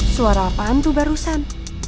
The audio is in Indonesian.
suara apaan tuh barusan